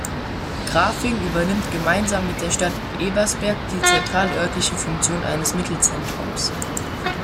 Grafing übernimmt gemeinsam mit der Stadt Ebersberg die zentralörtliche Funktion eines Mittelzentrums.